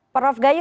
pak rauf gayu